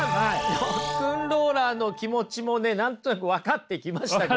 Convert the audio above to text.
ロックンローラーの気持ちも何となく分かってきました。